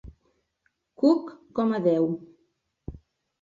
Cook com a déu.